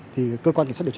thì cơ quan kiểm tra điều tra